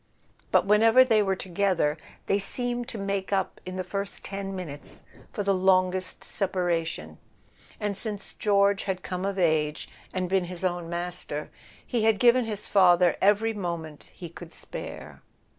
But whenever they were together they seemed to make up in the first ten minutes for the longest separation; and since George had come of age, and been his own master, he had given his father every moment he could spare.